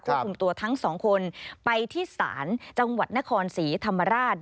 คุมตัวทั้งสองคนไปที่ศาลจังหวัดนครศรีธรรมราช